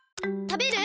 食べる？